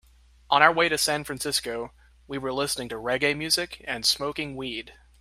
On our way to San Francisco, we were listening to reggae music and smoking weed.